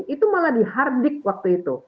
itu malah dihardik waktu itu